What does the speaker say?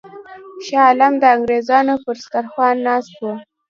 شاه عالم د انګرېزانو پر سترخوان ناست وو.